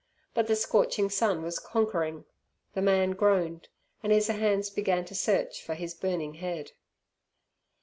But the scorching sun was conquering; the man groaned, and his hands began to search for his burning head.